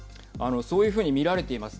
そういうふうに見られています。